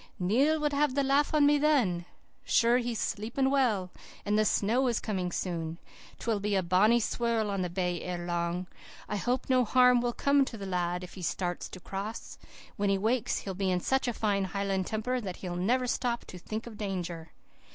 "'Neil would have the laugh on me then. Sure he's sleeping well. And the snow is coming soon. There'll be a bonny swirl on the bay ere long. I hope no harm will come to the lad if he starts to cross. When he wakes he'll be in such a fine Highland temper that he'll never stop to think of danger.